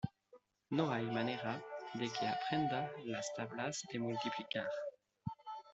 No hay manera de que aprenda las tablas de multiplicar.